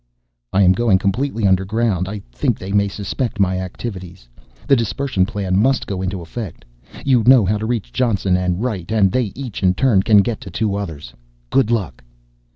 _I am going completely underground. I think they may suspect my activities. The dispersion plan must go into effect. You know how to reach Johnson and Wright and they each in turn can get to two others. Good luck!